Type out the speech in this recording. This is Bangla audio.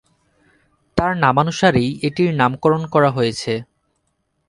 তার নামানুসারেই এটির নামকরণ করা হয়েছে।